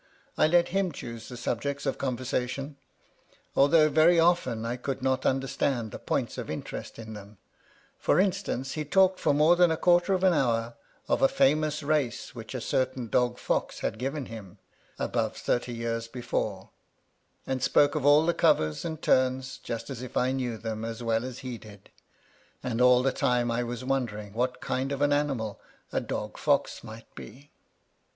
I let him choose the subjects of conversation, although very often I could not understand the points of interest in them : for instance, he talked for more than a quarter of an hour of a famous race which a certain dog fox had given him, above thirty years before ; and spoke of all the covers and turns just as if I knew them as well as he did ; and all the time I was wondering what kind of an animal a dog fox might be.